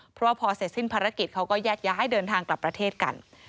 เพราะว่าพอเสร็จสิ้นภารกิจเขาก็แยกย้ายเดินทางกลับประเทศกัน